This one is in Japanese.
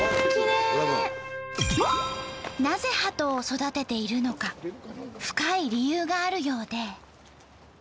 なぜハトを育てているのか深い理由があるようで。